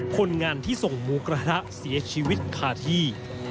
คนงานที่ส่งหมูกระทะเสียชีวิตคาที่